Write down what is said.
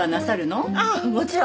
ああもちろん。